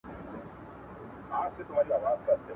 نوري یې مه پریږدی د چا لښکري.